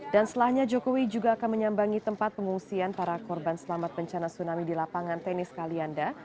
dan selainnya joko widodo juga akan menyambangi tempat pengungsian para korban selamat bencana tsunami di lapangan tenis kalianda